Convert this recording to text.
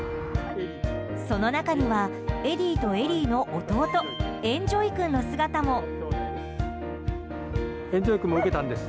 その中にはエディとエリーの弟エンジョイ君の姿も。